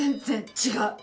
違う！